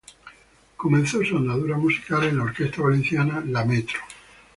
Comenzó su andadura musical en la orquesta valenciana "La Metro".